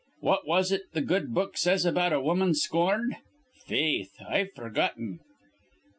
What is it th' good book says about a woman scorned? Faith, I've forgotten.